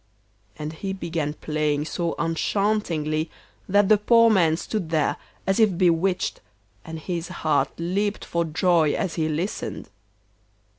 And he began playing so enchantingly that the poor man stood there as if bewitched, and his heart leapt for joy as he listened.